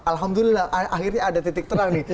alhamdulillah akhirnya ada titik terang nih